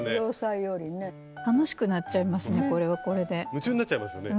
夢中になっちゃいますよね。